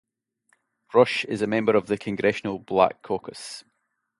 Rush is a member of the Congressional Black Caucus.